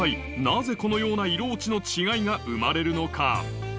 なぜこのような色落ちの違いが生まれるのか？